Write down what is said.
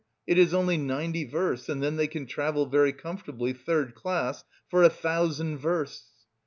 It is only ninety versts and then they can 'travel very comfortably, third class,' for a thousand versts!